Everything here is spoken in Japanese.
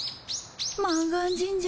満願神社